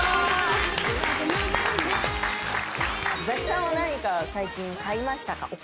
ザキさんは何か最近買いましたか？